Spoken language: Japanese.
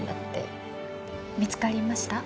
見つかりました？